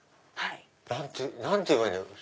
何て言えばいいんだろう？